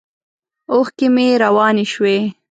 اوښکې مې روانې شوې.